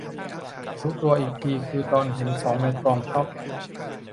รู้ตัวอีกทีคือตอนเห็นของในกล่อง ช็อค